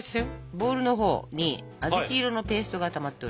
ボウルのほうに小豆色のペーストがたまっております。